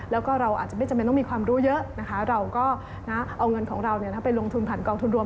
แล้วก็เราอาจจะไม่จำเป็นต้องมีความรู้เยอะนะคะเราก็เอาเงินของเราไปลงทุนผ่านกองทุนรวม